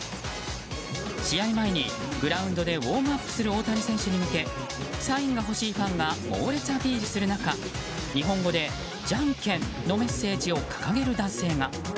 試合前にグラウンドでウォームアップする大谷選手に向けサインが欲しいファンが猛烈アピールする中日本語でじゃんけんのメッセージを掲げる男性が。